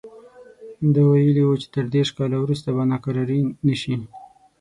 ده ویلي وو چې تر دېرش کاله وروسته به ناکراري نه شي.